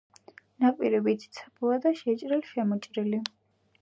ნაპირები ციცაბოა და შეჭრილ-შემოჭრილი.